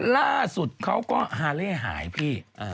ล่าสุดเขาก็ฮาเล่หายพี่